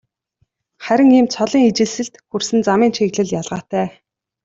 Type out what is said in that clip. Харин ийм цолын ижилсэлд хүрсэн замын чиглэл ялгаатай.